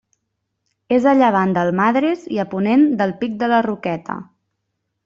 És a llevant del Madres i a ponent del Pic de la Roqueta.